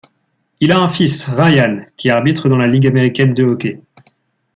Il a un fils Ryan qui arbitre dans la Ligue américaine de hockey.